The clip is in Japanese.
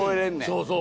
そうそう。